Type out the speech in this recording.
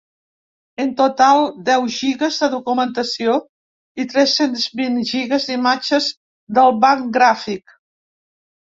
En total, deu gigues de documentació, i tres-cents vint gigues d’imatges del banc gràfic.